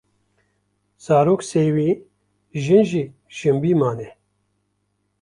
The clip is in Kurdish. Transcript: zarok sêwî, jin jî jinbî mane.